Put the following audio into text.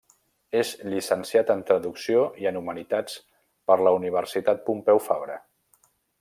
És llicenciat en Traducció i en Humanitats per la Universitat Pompeu Fabra.